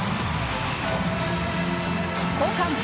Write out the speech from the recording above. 交換。